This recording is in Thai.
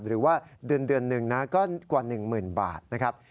หรือว่าเดือนหนึ่งนะก็กว่า๑๐๐๐บาทนะครับ